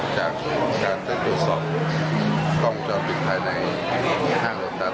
จากการได้ตรวจสอบกล้องจอดปิดภายในห้างรถนั้น